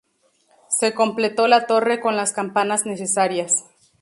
Se completó la torre con las campanas necesarias.